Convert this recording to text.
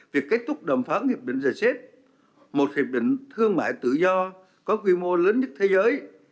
việc kết thúc đàm phán hiệp định rcep một hiệp định thương mại tự do có quy mô lớn nhất thế giới